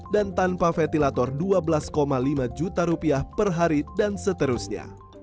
dan tanpa ventilator dua belas lima juta rupiah per hari dan seterusnya